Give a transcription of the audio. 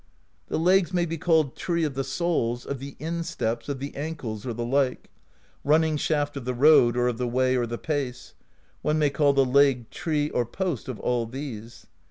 The legs may be called Tree of the Soles, of the Insteps, of the Ankles, or the like ; Running Shaft of the Road or of the Way or the Pace; one may call the leg Tree or Post of all these.